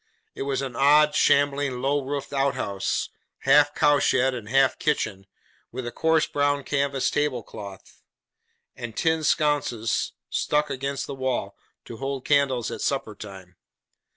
It was an odd, shambling, low roofed out house, half cowshed and half kitchen, with a coarse brown canvas table cloth, and tin sconces stuck against the walls, to hold candles at supper time.